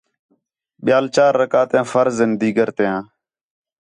ٻِیال چار رکعتیان فرض ہِن دِیگر تیاں